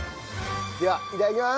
ではいただきます！